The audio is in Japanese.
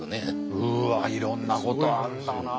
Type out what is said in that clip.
うわいろんなことがあるんだな。